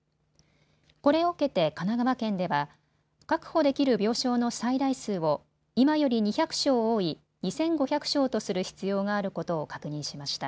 これを受けて神奈川県では確保できる病床の最大数を今より２００床多い２５００床とする必要があることを確認しました。